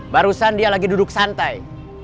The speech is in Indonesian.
barusan dia lagi duduk santai